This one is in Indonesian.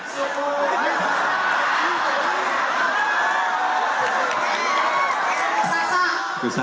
salam sobuk desa